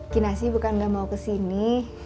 kinasi bukan gak mau kesini